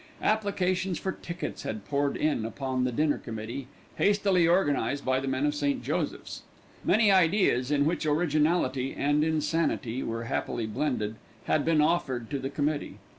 Applications for tickets had poured in upon the Dinner Committee hastily organised by the men of St. Joseph's. Many ideas, in which originality and insanity were happily blended, had been offered to the Committee.